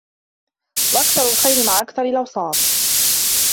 وَأَكْثَرُ الْخَيْرِ مَعَ أَكْثَرِ الْأَوْسَاطِ